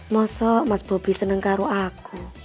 masa mas bobi seneng karu aku